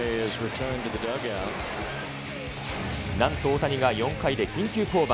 なんと大谷が４回で緊急降板。